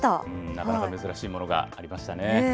なかなか珍しいものがありましたね。